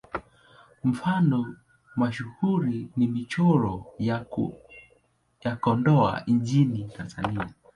Mfano mashuhuri ni Michoro ya Kondoa nchini Tanzania.